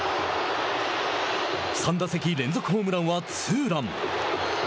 ３打席連続ホームランはツーラン。